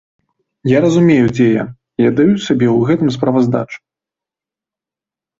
Я разумею, дзе я, і аддаю сабе ў гэтым справаздачу.